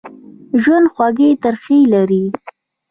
ژوند خوږې ترخې لري.